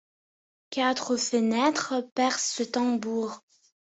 Quatre fenêtres percent ce tambour.